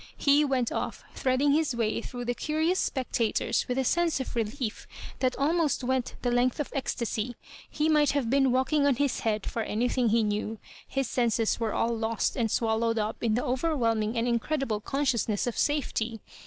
Be went off, threading his way through the curious specta tors with a sense of relief that almost went the length of ecstasy. He might have been walking on his head for anything he knew. His senses were 'all lost and swallowed up in the overwhelming and incredible consciousness of safety.